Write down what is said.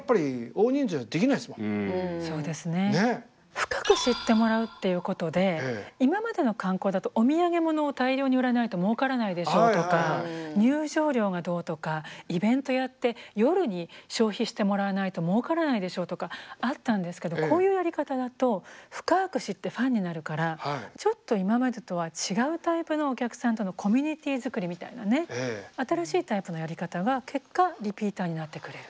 深く知ってもらうっていうことで今までの観光だとお土産物を大量に売らないともうからないでしょとか入場料がどうとかイベントやって夜に消費してもらわないともうからないでしょとかあったんですけどこういうやり方だと深く知ってファンになるからちょっと今までとは違うタイプのお客さんとのコミュニティーづくりみたいなね新しいタイプのやり方が結果リピーターになってくれる。